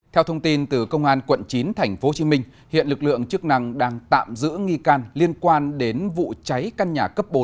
theo thông tin từ công an quận chín tp hcm hiện lực lượng chức năng đang tạm giữ nghi can liên quan đến vụ cháy căn nhà cấp bốn